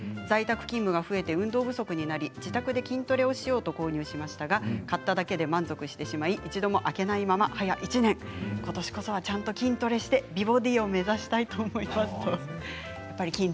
在宅勤務が増えて運動不足になり自宅で筋トレをしようと購入しましたが買っただけで満足してしまい一度も開けないままはや１年ことしこそはちゃんと筋トレして美ボディーを目指したいと思います。